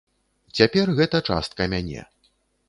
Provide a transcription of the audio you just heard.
Цяпер гэта частка мяне.